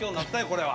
これは。